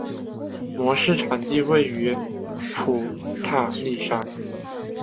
模式产地位于普塔里山。